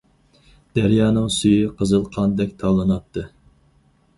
دەريانىڭ سۈيى قىزىل قاندەك تاۋلىناتتى.